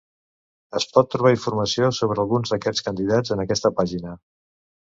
Es pot trobar informació sobre alguns d'aquests candidats en aquesta pàgina.